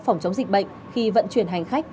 phòng chống dịch bệnh khi vận chuyển hành khách